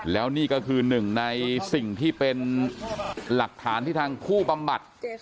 แล้วนี่ก็คือหนึ่งในสิ่งที่เป็นหลักฐานที่ทางผู้บำบัด